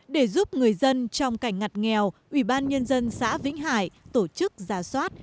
để giúp người dân trong cảnh ngặt nghèo ủy ban nhân dân xã vĩnh hải tổ chức giả soát